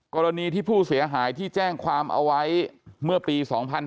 กรณีที่ผู้เสียหายที่แจ้งความเอาไว้เมื่อปี๒๕๕๙